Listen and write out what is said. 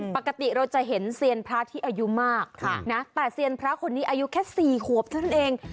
ปกติเราจะเห็นเซียนพระที่อายุมากแต่เซียนพระคนนี้อายุแค่๔ขวบเท่านั้นเอง